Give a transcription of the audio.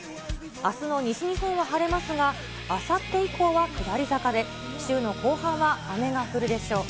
あすの西日本は晴れますが、あさって以降は下り坂で、週の後半は雨が降るでしょう。